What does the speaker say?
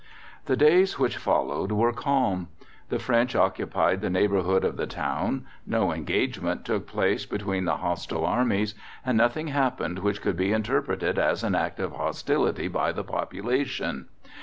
The days which followed were calm. The French occupied the neighborhood of the town. No engagement took place between the hostile armies, and nothing happened which could be interpreted as an act of hostility by the population.